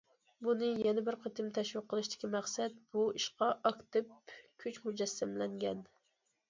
بۇنى يەنە بىر قېتىم تەشۋىق قىلىشتىكى مەقسەت، بۇ ئىشقا ئاكتىپ كۈچ مۇجەسسەملەنگەن.